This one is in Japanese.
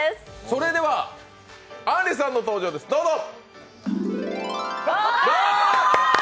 それでは、あんりさんの登場です、どうぞ。